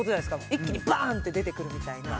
一気にバンって出てくるみたいな。